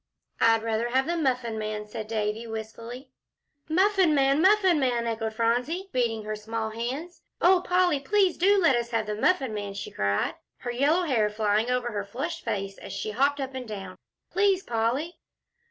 "I'd rather have the Muffin Man," said Davie, wistfully. "Muffin Man Muffin Man," echoed Phronsie, beating her small hands. "Oh, Polly, please do let us have the Muffin Man," she cried, her yellow hair flying over her flushed face as she hopped up and down. "Please, Polly!"